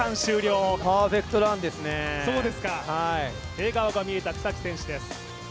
笑顔が見えた草木選手です。